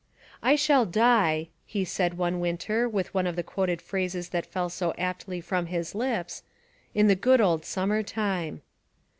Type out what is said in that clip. "I shall die," he said one winter with one of the quoted phrases that fell so aptly from his lips, "in the good old summer time."